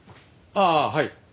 ああはい。